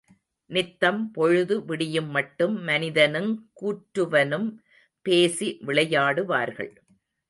நித்தம் பொழுது விடியுமட்டும் மனிதனுங் கூற்றுவனும் பேசி விளையாடுவார்கள்.